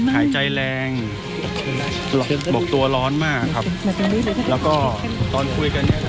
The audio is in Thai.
หายใจแรงบอกตัวร้อนมากครับแล้วก็ตอนคุยกันเนี่ย